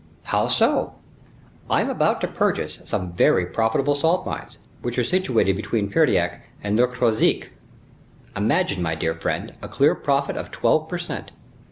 "How so?" "I am about to purchase some very profitable salt mines, which are situated between Piriac and Le Croisic. Imagine, my dear friend, a clear profit of twelve per cent.